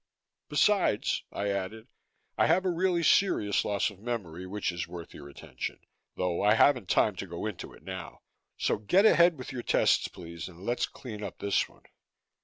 "Besides," I added, "I have a really serious loss of memory, which is worth your attention, though I haven't time to go into it now. So get ahead with your tests, please, and let's clean up this one."